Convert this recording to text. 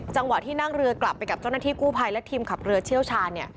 จังหวะที่นั่งเรือกลับไปกับเจ้าหน้าที่กู้ภัยและทีมขับเรือเชี่ยวชาญ